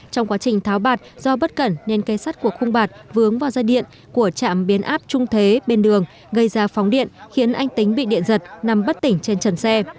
trong quá trình tháo bạt do bất cẩn nên cây sắt của khung bạt vướng vào dây điện của trạm biến áp trung thế bên đường gây ra phóng điện khiến anh tính bị điện giật nằm bất tỉnh trên trần xe